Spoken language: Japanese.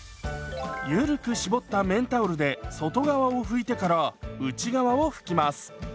ゆるく絞った綿タオルで外側を拭いてから内側を拭きます。